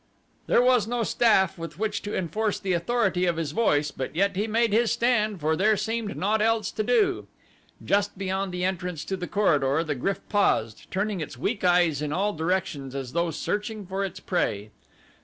There was no staff with which to enforce the authority of his voice, but yet he made his stand for there seemed naught else to do. Just beyond the entrance to the corridor the GRYF paused, turning its weak eyes in all directions as though searching for its prey.